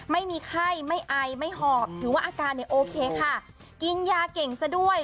ไม่มีไข้ไม่อายไม่หอบถือว่าอาการโอเคแต่กินยาเก่งสะด้วย